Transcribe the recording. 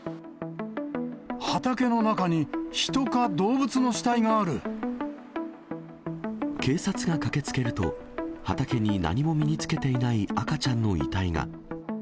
畑の中に、警察が駆けつけると、畑に何も身につけていない赤ちゃんの遺体が。